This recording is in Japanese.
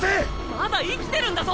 まだ生きてるんだぞ！